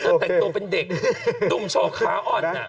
แสดงตัวเป็นเด็กดุงเชาะขาอ่อน